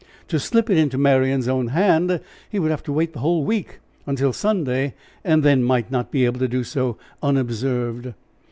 To slip it into Marian's own hand, he would have to wait the whole week until Sunday and then might not be able to do so unobserved.